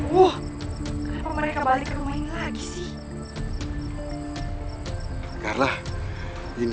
wah kenapa mereka kembali ke rumah ini lagi